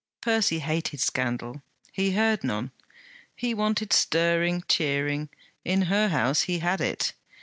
Percy hated scandal; he heard none. He wanted stirring, cheering; in her house he had it.